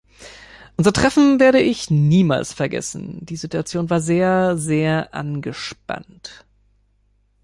Unser Treffen werde ich niemals vergessen, die Situation war sehr, sehr angespannt.